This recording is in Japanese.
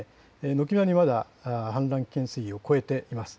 軒並みまだ氾濫危険水位を超えています。